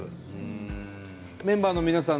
メンバーの皆さん